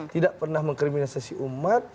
tidak pernah mengkriminalisasi umat